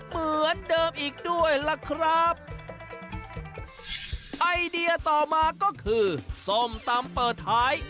เหมือนเดิมอีกด้วยล่ะครับไอเดียต่อมาก็คือส้มตำเปิดท้าย